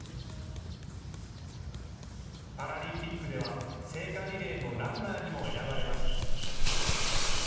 パラリンピックでは、聖火リレーのランナーにも選ばれました。